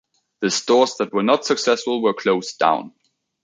The stores that were not successful were closed down.